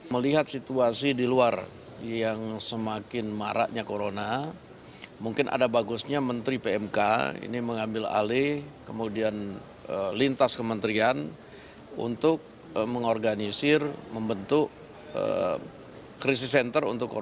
melihat situasi di luar yang semakin maraknya corona mungkin ada bagusnya menteri pmk ini mengambil alih kemudian lintas kementerian untuk mengorganisir membentuk crisis center untuk korban